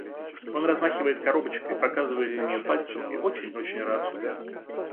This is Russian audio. Он размахивает коробочкой, показывает на неё пальцем и очень очень рад.